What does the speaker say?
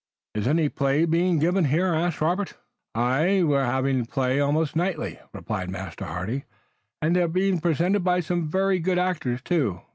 "Is any play being given here?" asked Robert. "Aye, we're having plays almost nightly," replied Master Hardy, "and they're being presented by some very good actors, too.